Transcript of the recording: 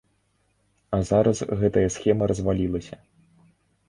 А зараз гэтая схема развалілася.